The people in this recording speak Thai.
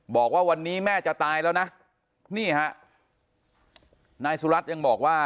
บอกว่าวันนี้แม่จะตายแล้วนะนี่ฮะนายสุรัตน์ยังบอกว่า